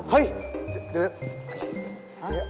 เฮ้ยเดี๋ยว